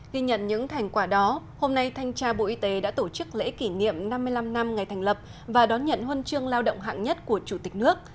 ghi nhận những thành quả đó hôm nay thanh tra bộ y tế đã tổ chức lễ kỷ niệm năm mươi năm năm ngày thành lập và đón nhận huân chương lao động hạng nhất của chủ tịch nước